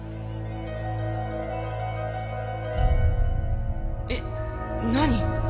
心の声えっなに？